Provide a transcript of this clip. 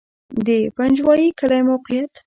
د پنجوایي کلی موقعیت